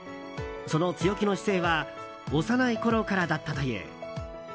その強気の姿勢は幼いころからだったという。